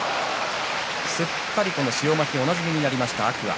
すっかりこの塩まきおなじみになりました天空海。